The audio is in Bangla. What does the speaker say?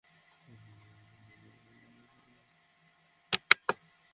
দুর্দান্ত ফর্মে থাকা মার্টিন গাপটিল এদিনও লঙ্কান বোলারদের ওপর ছড়ি ঘুরিয়েছেন।